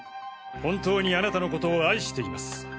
本当にあなたのことを愛しています」。